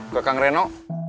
ke kang reno